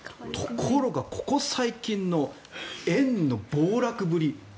ところがここ最近の円の暴落ぶり。